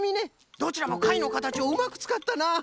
どちらもかいのかたちをうまくつかったな！